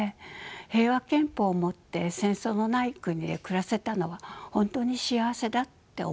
平和憲法を持って戦争のない国で暮らせたのは本当に幸せだって思っています。